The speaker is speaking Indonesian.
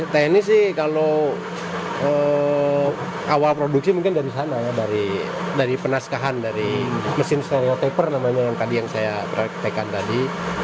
tni sih kalau awal produksi mungkin dari sana dari penaskahan dari mesin stereotaper yang saya praktekkan tadi